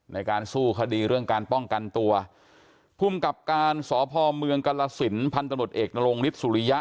ในการสู้คดีเรื่องการป้องกันตัวภูมิกับการสพเมืองกรสินพันธุ์ตำรวจเอกนรงฤทธิสุริยะ